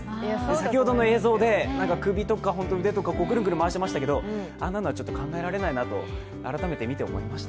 先ほどの映像で首とか腕とかぐるぐる回してましたけど、あんなのはちょっと考えられないなと改めて見て思いました。